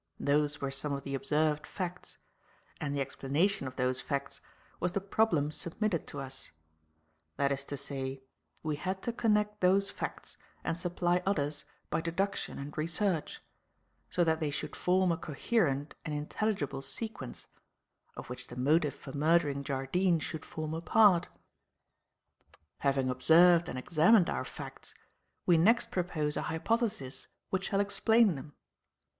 Those were some of the observed facts; and the explanation of those facts was the problem submitted to us; that is to say, we had to connect those facts and supply others by deduction and research, so that they should form a coherent and intelligible sequence, of which the motive for murdering Jardine should form a part. "Having observed and examined our facts, we next propose a hypothesis which shall explain them.